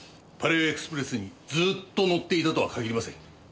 パレオエクスプレスにずっと乗っていたとは限りません。